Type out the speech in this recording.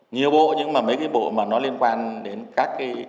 nhiều bộ nhưng mà mấy cái bộ mà nó liên quan đến các cái